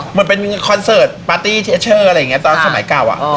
เหมือนเป็นคอนเสิร์ตปาร์ตี้เทสเชอร์อะไรอย่างนี้ตอนสมัยเก่า